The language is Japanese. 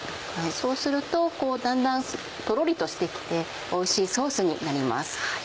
そうするとだんだんとろりとして来ておいしいソースになります。